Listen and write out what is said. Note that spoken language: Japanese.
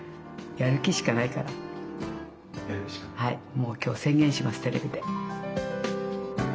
もう今日宣言しますテレビで。